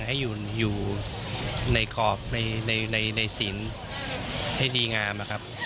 ให้อยู่ในกรอบในศิลป์ให้ดีงาม